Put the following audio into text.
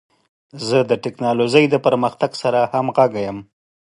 زه د ټکنالوژۍ د پرمختګ سره همغږی یم.